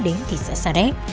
đến thị xã sà đét